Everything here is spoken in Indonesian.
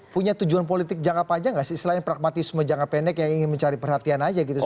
punya tujuan politik jangka panjang nggak sih selain pragmatisme jangka pendek yang ingin mencari perhatian aja gitu